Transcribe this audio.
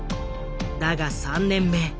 だが３年目